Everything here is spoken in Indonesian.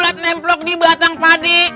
semplok di batang padi